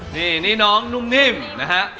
นี่นี่น้องหนุ่มหนิมนะฮะ